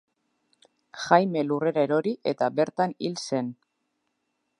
Jaime lurrera erori eta bertan hil zen.